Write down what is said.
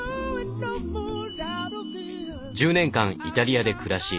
１０年間イタリアで暮らし